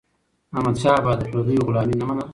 احمدشاه بابا د پردیو غلامي نه منله.